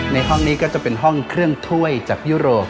ในห้องนี้ก็จะเป็นห้องเครื่องถ้วยจากยุโรป